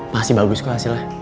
pasti bagus kok hasilnya